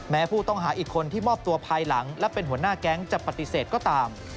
ผู้ต้องหาอีกคนที่มอบตัวภายหลังและเป็นหัวหน้าแก๊งจะปฏิเสธก็ตาม